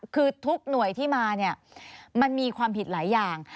คือทุกหน่วยที่มาเนี่ยมันมีความผิดหลายอย่าง